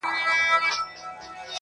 ستا په مخ کي دروغ نه سمه ویلای!